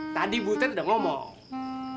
tadi butet udah ngomong